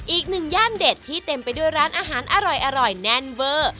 อีกหนึ่งย่านเด็ดที่เต็มไปด้วยร้านอาหารอร่อยแน่นเวอร์